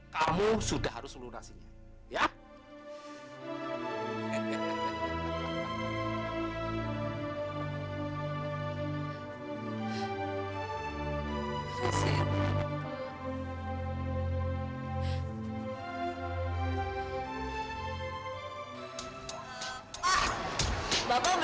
tapi sudah sudah setelah siboro